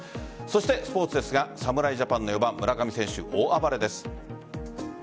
そしてスポーツですが侍ジャパンの４番・村上選手大暴れです。